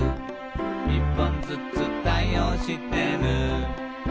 「１本ずつ対応してる」